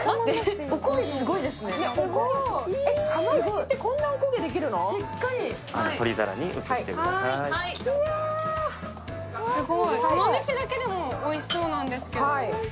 釜飯だけでもおいしそうなんですけど。